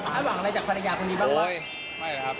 ถ้าบอกอะไรจากภรรยากลุ่มดีบ้าง